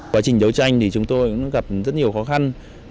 quá trình đấu tranh thì chúng tôi cũng gặp rất nhiều khó khăn